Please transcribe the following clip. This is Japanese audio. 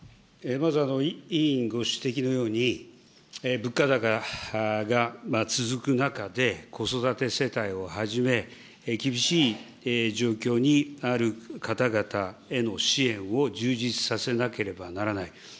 まず、委員ご指摘のように、物価高が続く中で、子育て世帯をはじめ、厳しい状況にある方々への支援を充実させなければならない。